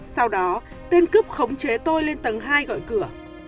sau đó tên cướp khống chế tôi lên tầng hai gọi cửa